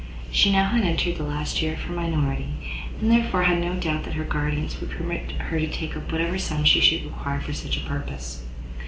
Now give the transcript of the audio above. She had now entered the last year of her minority, and therefore had not any doubt that her guardians would permit her to take up whatever sum she should require for such a purpose.